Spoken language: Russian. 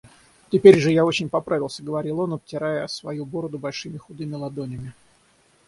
Теперь же я очень поправился, — говорил он, обтирая свою бороду большими худыми ладонями.